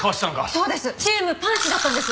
そうです！チームパンチだったんです！